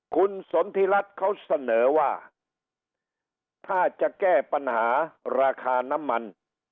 คุณสนทิรัฐเขาเสนอว่าถ้าจะแก้ปัญหาราคาน้ำมัน